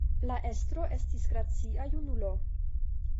La estro estis gracia junulo.